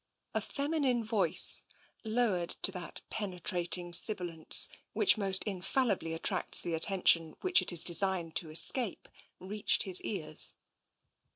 A feminine voice, lowered to that penetrating sibi lance which most infallibly attracts the attention which it is designed to escape, reached his ears.